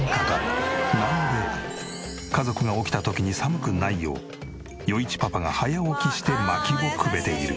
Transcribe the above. なので家族が起きた時に寒くないよう余一パパが早起きして薪をくべている。